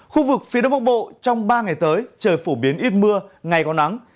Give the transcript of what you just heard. khu vực phía đông bắc bộ trong ba ngày tới trời phổ biến ít mưa ngày có nắng